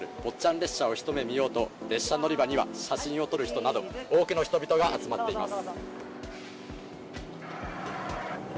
列車を一目見ようと列車乗り場には写真を撮る人など多くの人々が集まっています。